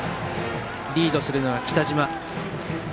リードするのは北島。